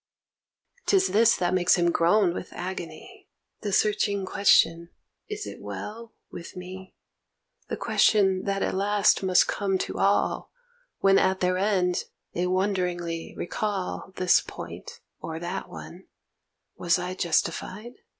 'Tis this that makes him groan with agony, The searching question 'Is it well with me?' The question that at last must come to all When at their end, they wonderingly recall This point or that one '_Was I justified?